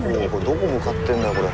どこ向かってんだよこれ。